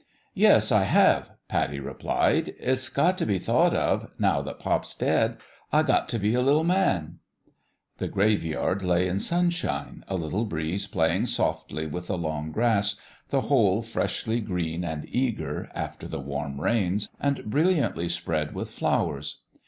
"Yes, I have," Pattie replied; "ifs gat f be thought of now that pop's dead. I got f be a liT The graveyard lay in sunshine, a fitde breeze playing soWy with the long grass, the whole freshly green and eager, after the warm rains, and brilliantly spread with flowers.